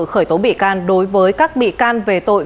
khởi tố bị can đối với các bị can về tội